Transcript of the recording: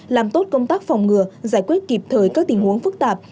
làm tốt công tác phòng ngừa giải quyết kịp thời các tình huống phức tạp